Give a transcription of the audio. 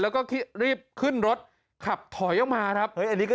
แล้วก็รีบขึ้นรถขับถอยออกมาครับเฮ้ยอันนี้ก็